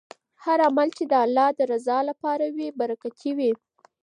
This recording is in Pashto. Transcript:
هر عمل چې د الله د رضا لپاره وي برکتي وي.